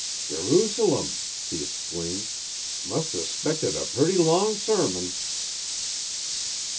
'Jerusalem!' he exclaimed, 'must a 'spected a purty long sermon.